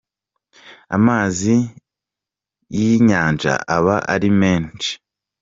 amazi y'inyanja aba ari menshi.